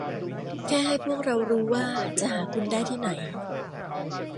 แค่ให้พวกเรารู้ว่าจะหาคุณได้ที่ไหน